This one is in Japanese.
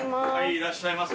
いらっしゃいませ。